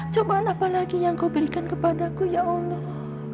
cobalah apa lagi yang kau berikan kepadaku ya allah